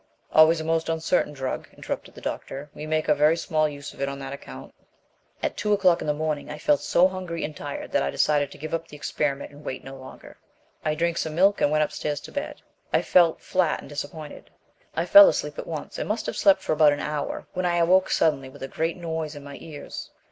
"Always a most uncertain drug," interrupted the doctor. "We make a very small use of it on that account." "At two o'clock in the morning I felt so hungry and tired that I decided to give up the experiment and wait no longer. I drank some milk and went upstairs to bed. I felt flat and disappointed. I fell asleep at once and must have slept for about an hour, when I awoke suddenly with a great noise in my ears.